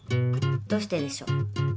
どうしてでしょう？